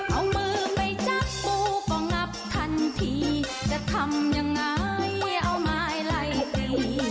เอามือไม่จับกูก็งับทันทีจะทำยังไงเอาไม้ไล่ตี